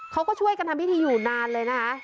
เขาก็ช่วยกันทำพิธีอยู่นานเลยนะคะ